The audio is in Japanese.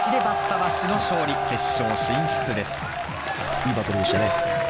いいバトルでしたね。